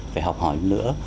phải học hỏi hơn nữa